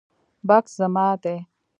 بکس زما دی